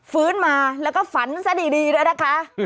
ฟื้นมาแล้วก็ฝันซะดีด้วยนะคะ